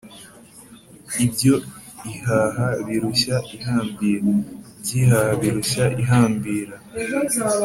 Ibyo ihaha birushya ihambira. [Iby’ihaha birushya ihambira.]